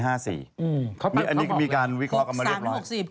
อันนี้ก็มีการวิเคราะห์กันมาเรียบร้อย